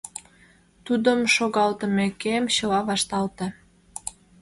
Тудым шогалтымекем, чыла вашталте.